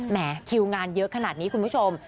คิวงานเยอะขนาดนี้คุณผู้ชม